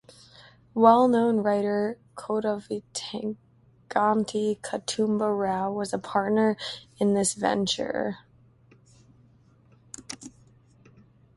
Well-known writer Kodavatiganti Kutumba Rao was a partner in this venture.